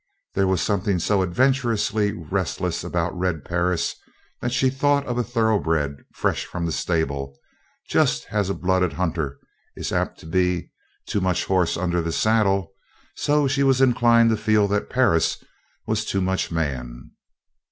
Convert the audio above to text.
There was something so adventurously restless about Red Perris that she thought of a thoroughbred fresh from the stable; just as a blooded hunter is apt to be "too much horse under the saddle," so she was inclined to feel that Perris was "too much man."